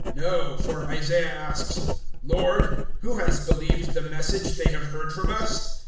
No, for Isaiah asks, "Lord, who has believed the Message they have heard from us?"